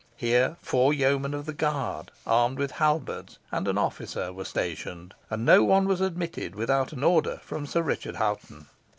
Here four yeomen of the guard, armed with halberts, and an officer, were stationed, and no one was admitted without an order from Sir Richard Hoghton.